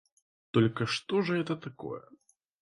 Только что же это такое?